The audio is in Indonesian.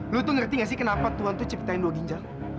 lu tuh ngerti gak sih kenapa tuhan tuh ciptain dua ginjal